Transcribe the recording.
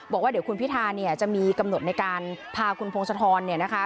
บอกว่าเดี๋ยวคุณพิธาเนี่ยจะมีกำหนดในการพาคุณพงศธรเนี่ยนะคะ